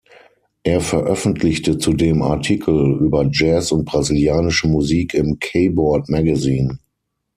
Er veröffentlichte zudem Artikel über Jazz und brasilianische Musik im "Keyboard Magazine".